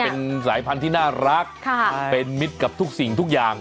เป็นสายพันธุ์ที่น่ารักเป็นมิตรกับทุกสิ่งทุกอย่าง